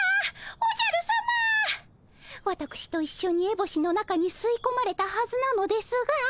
わたくしといっしょにエボシの中にすいこまれたはずなのですが。